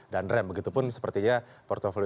dan rem begitu pun sepertinya portfolio